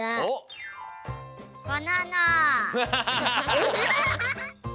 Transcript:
ハハハハ！